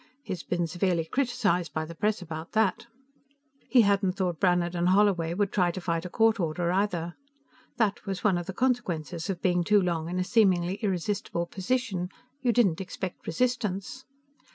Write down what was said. He's been severely criticized by the press about that." He hadn't thought Brannhard and Holloway would try to fight a court order either. That was one of the consequences of being too long in a seemingly irresistible position; you didn't expect resistance.